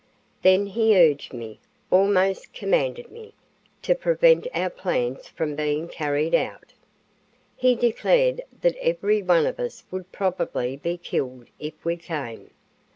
Then he urged me, almost commanded me, to prevent our plans from being carried out. He declared that every one of us would probably be killed if we came.